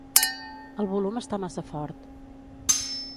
El volum està massa fort.